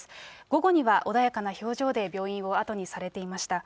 午後には、穏やかな表情で病院を後にされていました。